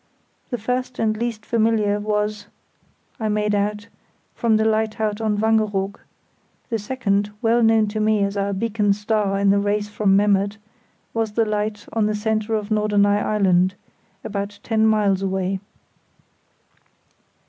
The first and least familiar was, I made out, from the lighthouse on Wangeroog; the second, well known to me as our beacon star in the race from Memmert, was the light on the centre of Norderney Island, about ten miles away.